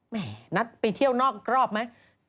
แม่นัดไปเที่ยวนอกรอบไหม